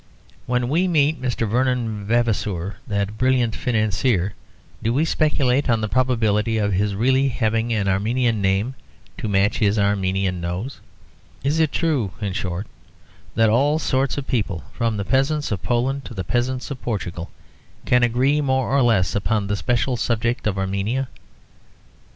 When we meet Mr. Vernon Vavasour, that brilliant financier, do we speculate on the probability of his really having an Armenian name to match his Armenian nose? Is it true, in short, that all sorts of people, from the peasants of Poland to the peasants of Portugal, can agree more or less upon the special subject of Armenia?